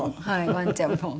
ワンちゃんも。